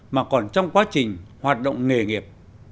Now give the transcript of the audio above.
mà còn trong quá trình hoạt động nghề nghiệp